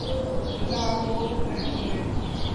اللہ آپ لوگوں پر رحم کرے